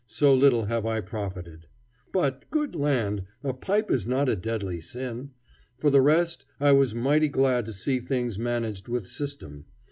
So little have I profited. But, good land! a pipe is not a deadly sin. For the rest, I was mighty glad to see things managed with system.